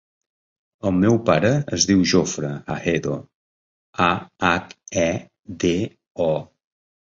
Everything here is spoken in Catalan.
El meu pare es diu Jofre Ahedo: a, hac, e, de, o.